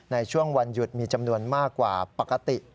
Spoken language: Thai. ในช่วงวันหยุดมีจำนวนมากกว่าปกติ